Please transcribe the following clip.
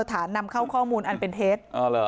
นำเข้าข้อมูลอันเป็นเท็จ